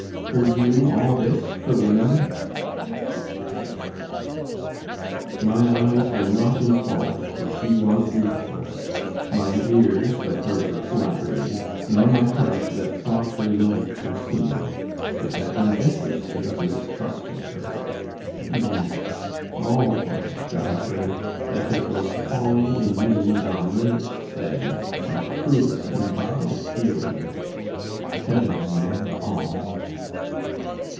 CYMBELINE. Heard you all this, her women? LADY. We did, so please your Highness. CYMBELINE. Mine eyes Were not in fault, for she was beautiful; Mine ears, that heard her flattery; nor my heart That thought her like her seeming. It had been vicious To have mistrusted her; yet, O my daughter! That it was folly in me thou mayst say, And prove it in thy feeling. Heaven mend all!